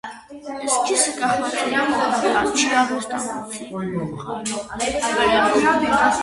Էսքիզը կախված է եղել նկարչի արվեստանոցի բուխարու վերևում։